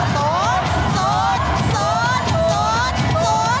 ตำแหน่งแรกมาเลย